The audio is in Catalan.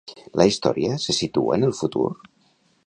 La història se situa en el futur?